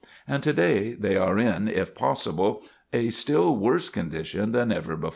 And to day they are in, if possible, a still worse condition than ever before.